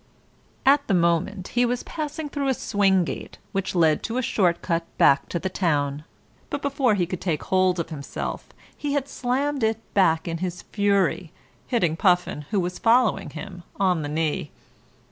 At the moment he was passing through a swing gate which led to a short cut back to the town, but before he could take hold of himself he had slammed it back in his fury, hitting Puffin, who was following him, on the knee.